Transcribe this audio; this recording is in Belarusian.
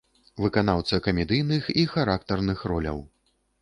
Выканаўца камедыйных і характарных роляў.